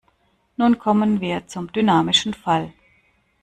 Nun kommen wir zum dynamischen Fall.